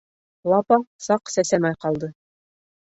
Лапа саҡ сәсәмәй ҡалды.